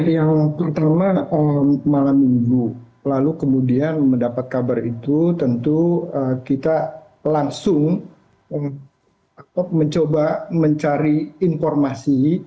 yang pertama malam minggu lalu kemudian mendapat kabar itu tentu kita langsung mencoba mencari informasi